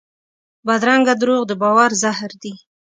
بدرنګه دروغ د باور زهر دي